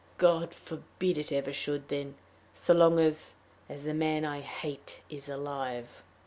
"God forbid it ever should, then so long as as the man I hate is alive!"